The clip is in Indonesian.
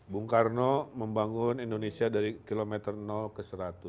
bung karno membangun indonesia dari kilometer ke seratus